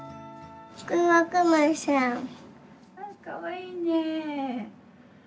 ・かわいいね。